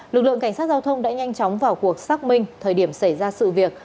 lực lượng cảnh sát giao thông đã nhanh chóng vào cuộc xác minh thời điểm xảy ra sự việc